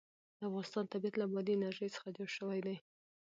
د افغانستان طبیعت له بادي انرژي څخه جوړ شوی دی.